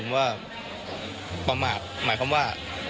หมายความว่า